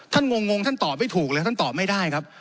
งงท่านตอบไม่ถูกเลยท่านตอบไม่ได้ครับ